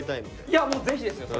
いやもうぜひですよ！